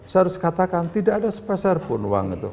saya harus katakan tidak ada spesial pun uang itu